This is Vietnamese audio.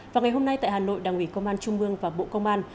và ngày hôm nay tại hà nội đảng ủy công an trung mương và bộ công an